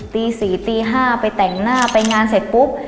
ตี๔ตี๕ไปแต่งหน้าไปงานเสร็จปุ๊บ